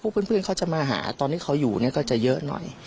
เพื่อนเยอะก็เพื่อนเขาจะมาหาตอนที่เขาอยู่ก็จะเยอะหน่อย